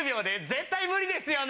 絶対無理ですよね。